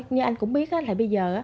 như anh cũng biết là bây giờ